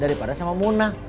daripada sama muna